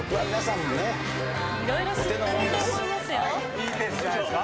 いいペースじゃないですか。